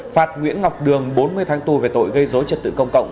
phạt nguyễn ngọc đường bốn mươi tháng tù về tội gây dối trật tự công cộng